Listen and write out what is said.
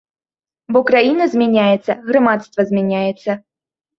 Бо краіна змяняецца, грамадства змяняецца.